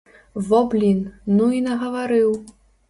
Во блін, ну і нагаварыў!